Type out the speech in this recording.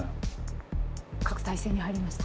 書く体勢に入りました。